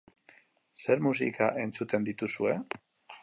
Zer musika entzuten dituzue?